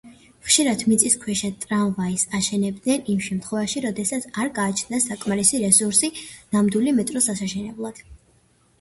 ხშირად მიწისქვეშა ტრამვაის აშენებდნენ იმ შემთხვევაში, როდესაც არ გააჩნდათ საკმარისი რესურსი ნამდვილი მეტროს ასაშენებლად.